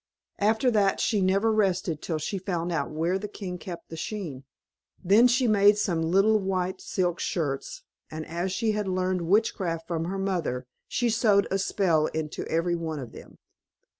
After that she never rested till she had found out where the king kept the skein. Then she made some little white silk shirts, and as she had learned witchcraft from her mother, she sewed a spell into every one of them.